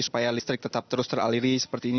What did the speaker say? supaya listrik tetap terus teraliri seperti ini